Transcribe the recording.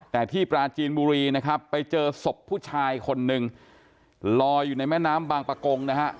แต่ที่ปราจีนบุรีนะครับไปเจอศพผู้ชายคนนึงลอยอยู่ในแม่น้ำบางประกงนะฮะ